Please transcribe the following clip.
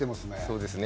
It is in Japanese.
そうですね。